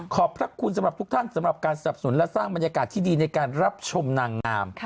ขอบพระคุณสำหรับทุกท่านสำหรับการสนับสนและสร้างบรรยากาศที่ดีในการรับชมนางงาม